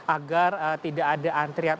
agar tidak ada antrian